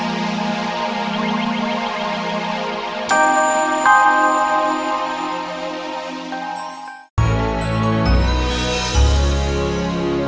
terima kasih banyak banyak pak